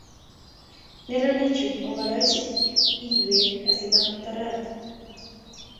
Neranichu opakach aiweek asimatarak